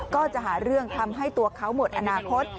ก็จะหาเรื่องทำให้ตัวเขาหมดอนาคต